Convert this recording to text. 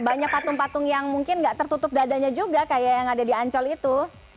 banyak patung patung yang mungkin nggak tertutup dadanya juga kayak yang ada di ancol itu